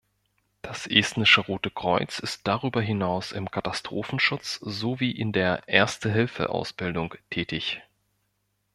Das Estnische Rote Kreuz ist darüber hinaus im Katastrophenschutz sowie in der Erste-Hilfe-Ausbildung tätig.